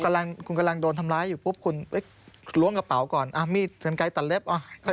กำลังคุณกำลังโดนทำร้ายอยู่ปุ๊บคุณไปล้วงกระเป๋าก่อนมีดกันไกลตัดเล็บอ่ะค่อย